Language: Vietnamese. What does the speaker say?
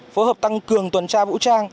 phối hợp tăng cường tuần tra vũ trang